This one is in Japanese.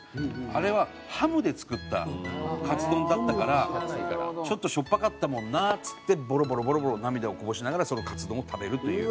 「あれはハムで作ったカツ丼だったからちょっとしょっぱかったもんな」っつってボロボロボロボロ涙をこぼしながらそのカツ丼を食べるという。